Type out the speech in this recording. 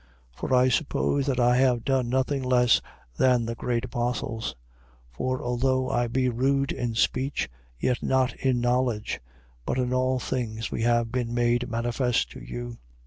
11:5. For I suppose that I have done nothing less than the great apostles. 11:6. For although I be rude in speech, yet not in knowledge: but in all things we have been made manifest to you.